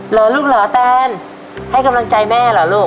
เหรอลูกเหรอแตนให้กำลังใจแม่เหรอลูก